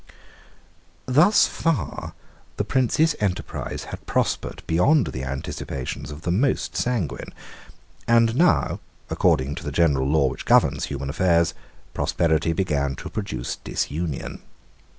Thus far the Prince's enterprise had prospered beyond the anticipations of the most sanguine. And now, according to the general law which governs human affairs, prosperity began to produce disunion.